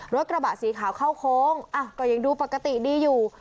รถกระบะสีขาวเข้าโค้งก็ยังดูปกติดีอยู่